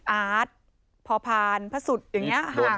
อาร์ตพอผ่านพระสุทธิ์อย่างนี้ค่ะ